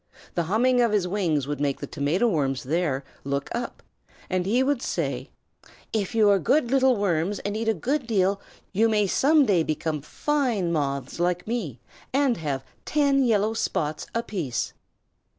The humming of his wings would make the Tomato Worms there look up, and he would say: "If you are good little Worms and eat a great deal, you may some day become fine Moths like me and have ten yellow spots apiece."